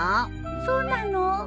そうなの？